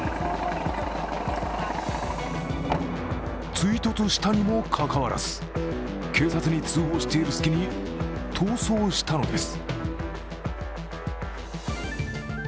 追突したにもかかわらず、警察に通報している隙に逃走したのです。